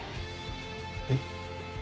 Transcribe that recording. えっ？